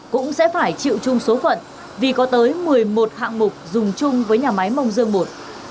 cũng sẽ phải chịu chung số phận vì có tới một mươi một hạng mục dùng chung với nhà máy mông dương i